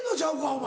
お前。